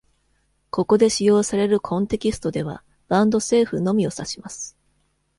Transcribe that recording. ここで使用されるコンテキストでは、バンド政府のみを指します。